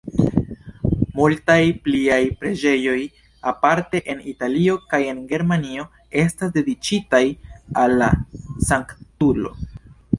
Multaj pliaj preĝejoj, aparte en Italio kaj en Germanio, estas dediĉitaj al la sanktulo.